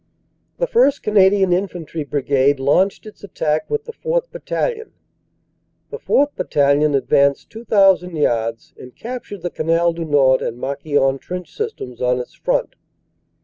"The 1st. Canadian Infantry Brigade launched its attack with the 4th. Battalion. The 4th. Battalion advanced 2,000 yards and captured the Canal du Nord and Marquion trench systems on its front.